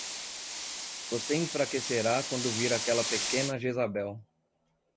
Você enfraquecerá quando vir aquela pequena Jezabel!